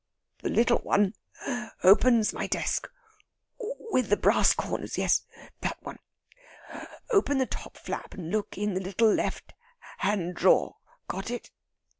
"The little one opens my desk ... with the brass corners.... Yes, that one.... Open the top flap, and look in the little left hand drawer. Got it?"